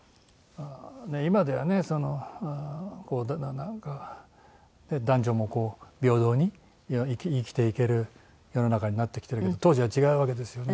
今ではねだんだんなんか男女も平等に生きていける世の中になってきてるけど当時は違うわけですよね。